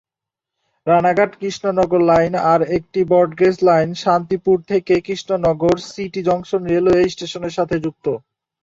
Ranaghat-Krishnanagar line আর একটি broad gauge line Shantipur থেকে Krishnanagar city junction railway স্টেশনের সাথে যুক্ত।